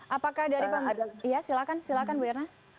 apakah dari ya silahkan ibu irna